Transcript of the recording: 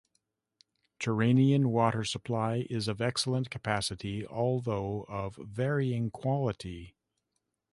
Terranean water supply is of excellent capacity, although of varying quality.